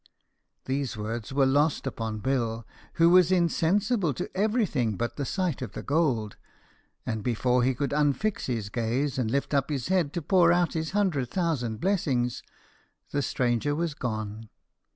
These words were lost upon Bill, who was insensible to everything but the sight of the gold, and before he could unfix his gaze, and lift up his head to pour out his hundred thousand blessings, the stranger was gone.